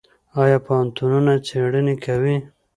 آیا پوهنتونونه څیړنې کوي؟